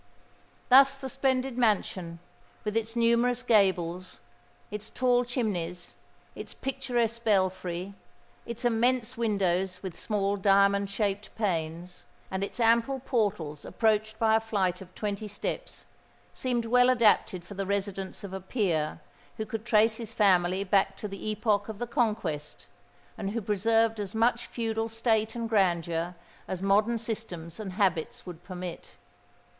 Thus the splendid mansion,—with its numerous gables, its tall chimneys, its picturesque belfry, its immense windows with small diamond shaped panes, and its ample portals approached by a flight of twenty steps,—seemed well adapted for the residence of a peer who could trace his family back to the epoch of the Conquest, and who preserved as much feudal state and grandeur as modern systems and habits would permit.